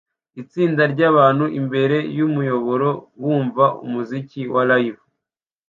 Itsinda ryabantu imbere y "umuyoboro" bumva umuziki wa Live